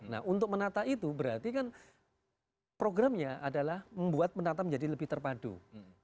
nah untuk menata itu berarti kan programnya adalah membuat menata menjadi lebih terpadu